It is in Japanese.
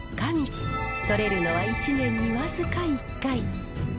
とれるのは１年に僅か１回。